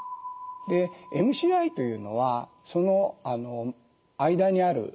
でＭＣＩというのはその間にある概念です。